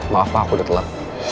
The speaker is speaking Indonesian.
papa aku udah telah